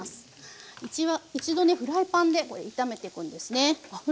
うちは一度ねフライパンで炒めてくんですね。